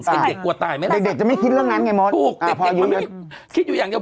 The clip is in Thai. เป็นเด็กกลัวตายไหมเด็กเด็กจะไม่คิดเรื่องนั้นไงมดถูกเด็กมันไม่คิดอยู่อย่างเดียว